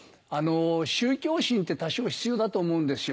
宗教心って多少必要だと思うんですよ。